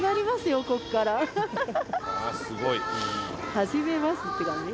始めますって感じ。